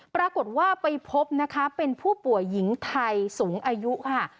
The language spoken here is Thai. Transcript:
ปรากฏว่าไปพบนะคะเป็นผู้ป่วยหญิงไทยสูงอายุค่ะ